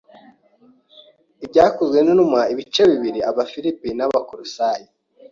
Ibyakozwentumwa ibice bibiri Abafilipi n’ Abakolosayi